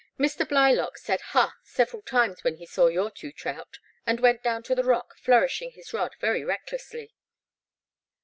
'* Mr. Blylock said * ha I ' several times when he saw your two trout and went down to the rock flourishing his rod very recklessly."